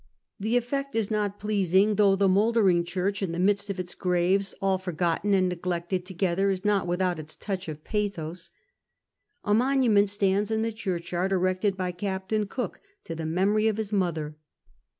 The effect is not pleasing, though the mouldering church, in the midst of its graves, all forgotten and neglected together, is not without its touch of pathos. A monument stands in the churchyard erected by Captain Cook to the memory of his mother.